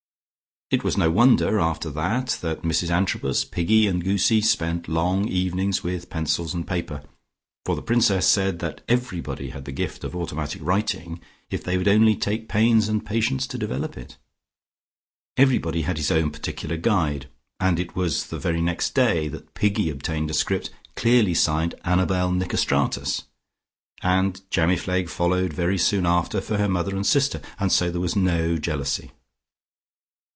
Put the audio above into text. It was no wonder after that, that Mrs Antrobus, Piggy and Goosie spent long evenings with pencils and paper, for the Princess said that everybody had the gift of automatic writing, if they would only take pains and patience to develop it. Everybody had his own particular guide, and it was the very next day that Piggy obtained a script clearly signed Annabel Nicostratus and Jamifleg followed very soon after for her mother and sister, and so there was no jealousy.